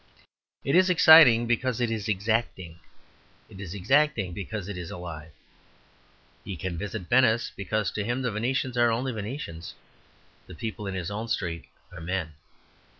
It is exciting because it is exacting; it is exacting because it is alive. He can visit Venice because to him the Venetians are only Venetians; the people in his own street are men.